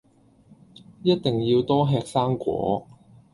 一定要多吃生菓